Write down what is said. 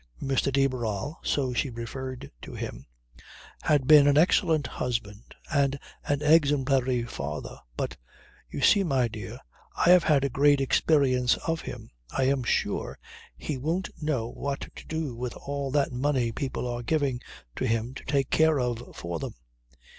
Mr. de Barral (so she referred to him) had been an excellent husband and an exemplary father but "you see my dear I have had a great experience of him. I am sure he won't know what to do with all that money people are giving to him to take care of for them.